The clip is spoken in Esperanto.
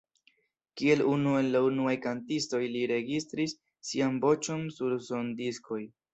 Kiel unu el la unuaj kantistoj li registris sian voĉon sur sondiskoj.